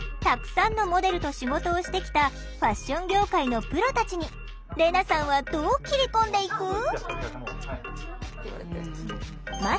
たくさんのモデルと仕事をしてきたファッション業界のプロたちにレナさんはどう切り込んでいく？